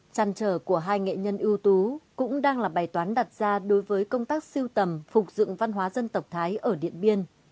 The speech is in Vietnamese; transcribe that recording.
trăn trở của hai nghệ nhân ưu tú cũng đang là bài toán đặt ra đối với công tác siêu tầm phục dựng văn hóa dân tộc thái ở điện biên